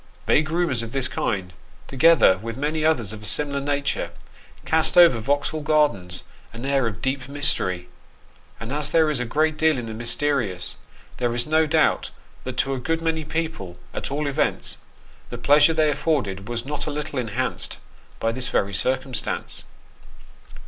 Vague rumours of this kind, together with many others of a similar nature, cast over Vauxhall Gardens an air of deep mystery ; and as there is a great deal in the mysterious, there is no doubt that to a good many people, at all events, the pleasure they afforded was not a little enhanced by this very circumstance.